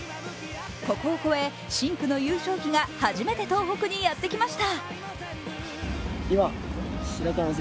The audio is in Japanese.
ここを越え、深紅の優勝旗が初めて東北にやってきました。